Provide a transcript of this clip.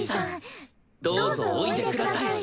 どうぞおいでください